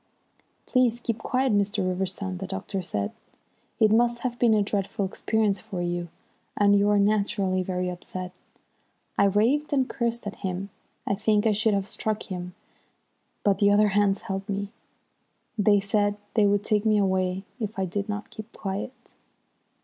"Please keep quiet, Mr. Riverston," the doctor said. "It must have been a dreadful experience for you, and you are naturally very upset." I raved and cursed at him. I think I should have struck him, but the others held me. They said they would take me away if I did not keep quiet.